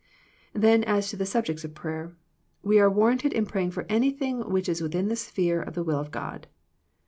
Then as to the subjects of prayer. We are warranted in praying for anything which is within the sphere of the will of God.